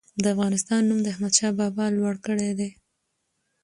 د افغانستان نوم د احمدشاه بابا لوړ کړی دی.